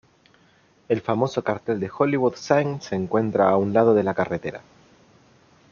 El famoso cartel de Hollywood Sign se encuentra a un lado de la carretera.